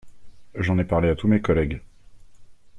J’en ai parlé à tous mes collègues.